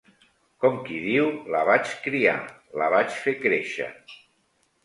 Com qui diu la vaig criar, la vaig fer créixer